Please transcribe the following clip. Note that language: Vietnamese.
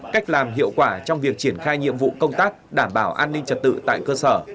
cách làm hiệu quả trong việc triển khai nhiệm vụ công tác đảm bảo an ninh trật tự tại cơ sở